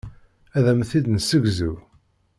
Ad am-t-id-nessegzu.